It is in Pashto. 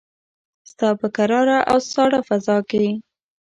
ستا په کراره او ساړه فضاکې